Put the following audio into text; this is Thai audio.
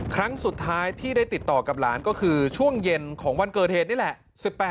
ครั้งสุดท้ายที่ได้ติดต่อกับหลานก็คือช่วงเย็นของวันเกิดเหตุนี่แหละ